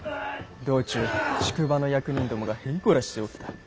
道中宿場の役人どもがへいこらしておった。